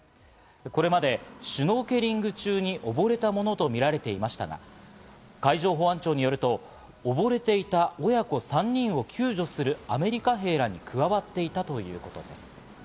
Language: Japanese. これまでシュノーケリング中に、おぼれたものとみられていましたが、海上保安庁によると、おぼれていた親子３人を救助するアメリカ兵らに加わっていたということです。